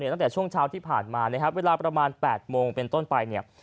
ตั้งแต่ช่วงเช้าที่ผ่านมาเวลาประมาณ๘โมงเป็นต้นไป